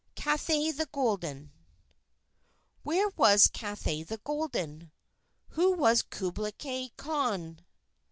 CATHAY THE GOLDEN Where was Cathay the Golden? Who was Kublai Khan?